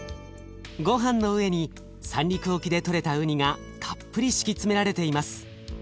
ごはんの上に三陸沖でとれたうにがたっぷり敷き詰められています。